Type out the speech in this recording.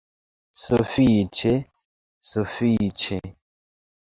Sufiĉe, sufiĉe!